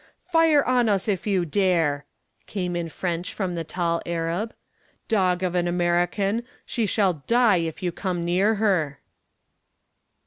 "Fire on us if you dare!" came in French from the tall Arab. "Dog of an American, she shall die if you come near her!"